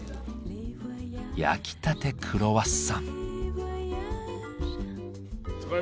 焼きたてクロワッサン。